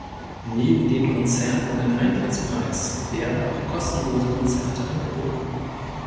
Neben den Konzerten mit Eintrittspreis werden auch kostenlose Konzerte angeboten.